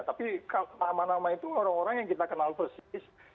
tapi nama nama itu orang orang yang kita kenal persis